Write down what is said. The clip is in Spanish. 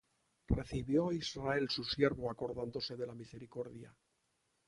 Recibió á Israel su siervo, Acordandose de la misericordia.